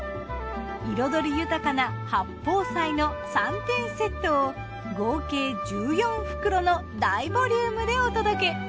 彩り豊かな八宝菜の３点セットを合計１４袋の大ボリュームでお届け。